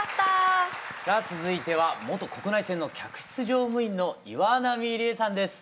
さあ続いては元国内線の客室乗務員の岩波理恵さんです。